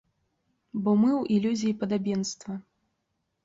Бо мы ў ілюзіі падабенства.